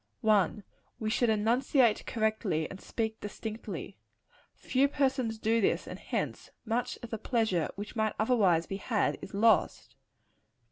1. We should enunciate correctly, and speak distinctly. Few persons do this; and hence much of the pleasure which might otherwise be had, is lost.